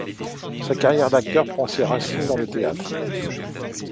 Sa carrière d'acteur prend ses racines dans le théâtre.